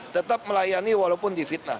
tetap melayani walaupun di fitnah